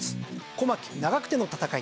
小牧・長久手の戦い。